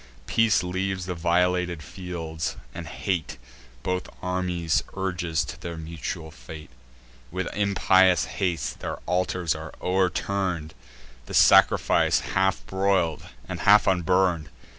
Peace leaves the violated fields, and hate Both armies urges to their mutual fate. With impious haste their altars are o'erturn'd, The sacrifice half broil'd, and half unburn'd.